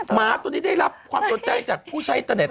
หมาตัวนี้ได้รับความสนใจจากผู้ใช้อินเตอร์เน็